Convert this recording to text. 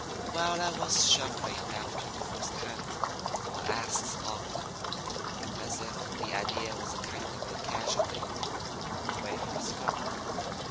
"While I was shuffling after the first hand, I asks Ogden, as if the idea was a kind of a casualty, where he was from.